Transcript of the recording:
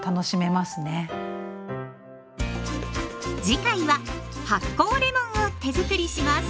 次回は発酵レモンを手づくりします。